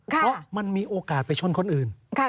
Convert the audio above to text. เพราะมันมีโอกาสไปชนคนอื่น